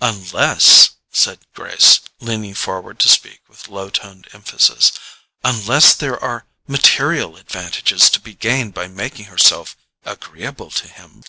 "Unless," said Grace, leaning forward to speak with low toned emphasis, "unless there are material advantages to be gained by making herself agreeable to him."